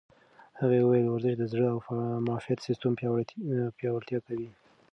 هغې وویل ورزش د زړه او معافیت سیستم پیاوړتیا کوي.